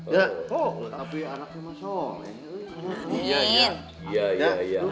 jauh jauh jauh